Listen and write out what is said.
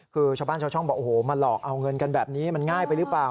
คือชาวบ้านชาวช่องบอกโอ้โหมาหลอกเอาเงินกันแบบนี้มันง่ายไปหรือเปล่า